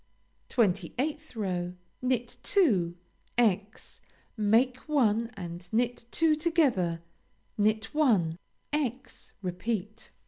28th row Knit two; × make one and knit two together; knit one; × repeat.